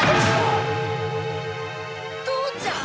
父ちゃん？